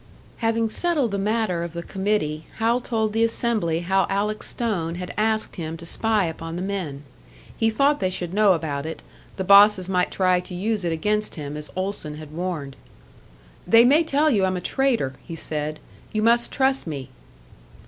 Having settled the matter of the committee, Hal told the assembly how Alec Stone had asked him to spy upon the men. He thought they should know about it; the bosses might try to use it against him, as Olson had warned. "They may tell you I'm a traitor," he said. "You must trust me."